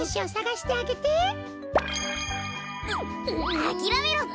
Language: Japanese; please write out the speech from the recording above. あきらめろって！